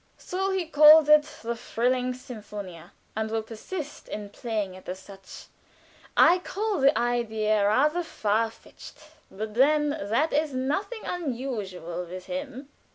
So he calls it the 'Fruhling Symphonie,' and will persist in playing it as such. I call the idea rather far fetched, but then that is nothing unusual with him."